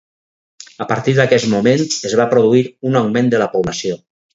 A partir d'aquest moment es va produir un augment de la població.